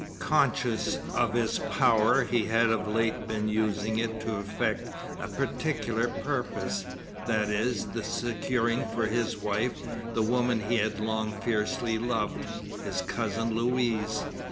Conscious of his power, he had of late been using it to effect a particular purpose: that is, the securing for his wife, the woman he had long fiercely loved his cousin Louise.